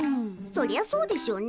そりゃそうでしょうね。